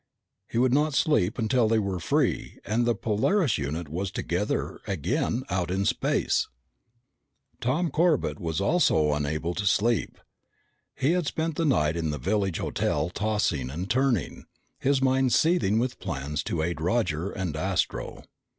He would not sleep until they were free and the Polaris unit was together again out in space! Tom Corbett was also unable to sleep. He had spent the night in the village hotel tossing and turning, his mind seething with plans to aid Roger and Astro.